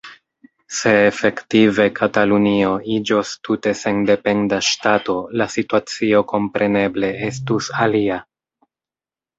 Se efektive Katalunio iĝos tute sendependa ŝtato, la situacio kompreneble estus alia.